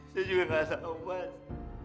saya juga enggak tahu mas